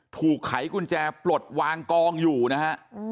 ไขกุญแจปลดวางกองอยู่นะฮะ